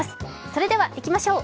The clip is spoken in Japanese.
それではいきましょう。